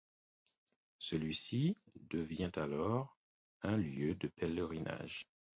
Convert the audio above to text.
Celui-ci devient alors un lieu de pèlerinage.